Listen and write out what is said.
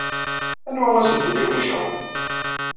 Anwa asentel i ken-iceɣben?